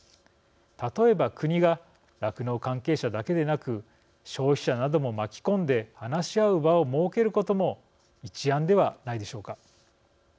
例えば国が酪農関係者だけでなく消費者なども巻き込んで話し合う場を設けることも一案ではないでしょうか。